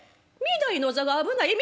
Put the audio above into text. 御台の座が危ない。